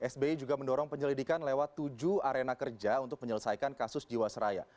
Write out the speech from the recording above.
sbi juga mendorong penyelidikan lewat tujuh arena kerja untuk menyelesaikan kasus jiwasraya